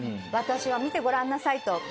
「私を見てごらんなさい」と。